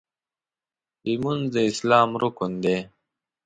لمونځ د اسلام رکن دی.